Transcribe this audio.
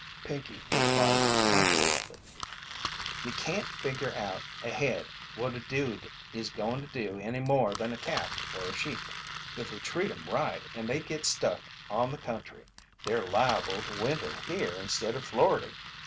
Pinkey replied confidently: "You can't figger out ahead what a dude is goin' to do any more than a calf or a sheep. If we treat 'em right and they get stuck on the country they're liable to winter here instead of Floridy.